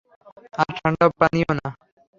আর ঠান্ডা পানিও না।